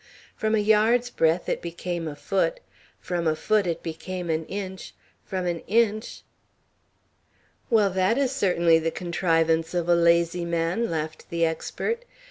From a yard's breadth it became a foot; from a foot it became an inch; from an inch "Well, that is certainly the contrivance of a lazy man," laughed the expert.